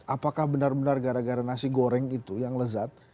apakah benar benar gara gara nasi goreng itu yang lezat